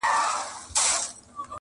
وږی تږی قاسم یار یې له سترخانه ولاړېږم،